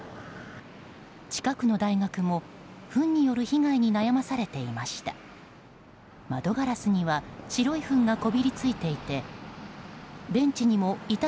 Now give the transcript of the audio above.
近くの大学も、ふんによる被害に悩まされていました。